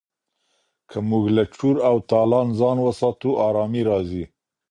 که موږ له چور او تالان ځان وساتو ارامي راځي.